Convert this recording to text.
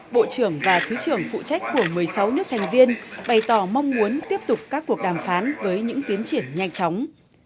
bộ trưởng và thứ trưởng phụ trách của một mươi sáu nước thành viên bày tỏ mong muốn tiếp tục các cuộc đàm phán với những tiến triển nhanh chóng